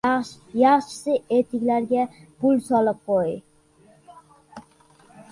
Yaxshisi, etiklarga pul solib qoʻy.